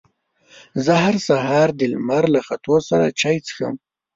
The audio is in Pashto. زه هر سهار د لمر له ختو سره چای څښم.